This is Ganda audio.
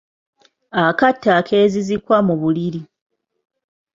Akatto akeezizikwa mu buliri.